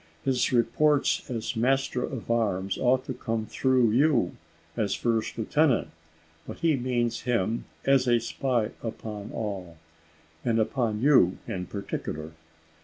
His reports as master of arms ought to come through you, as first lieutenant; but he means him as a spy upon all, and upon you in particular.